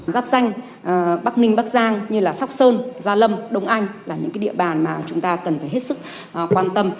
giáp danh bắc ninh bắc giang như sóc sơn gia lâm đông anh là những địa bàn mà chúng ta cần phải hết sức quan tâm